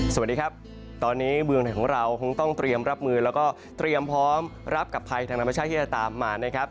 สวัสดีครับตอนนี้เมืองไทยของเราคงต้องเตรียมรับมือแล้วก็เตรียมพร้อมรับกับภัยทางธรรมชาติที่จะตามมานะครับ